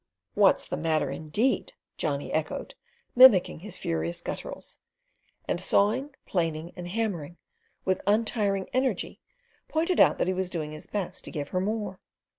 "What's the matter indeed!" Johnny echoed, mimicking his furious gutturals, and sawing, planing, and hammering, with untiring energy, pointed out that he was doing his best to give her more.